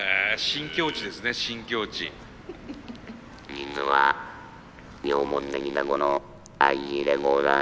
「実は今日持ってきたこのＩＣレコーダーに」。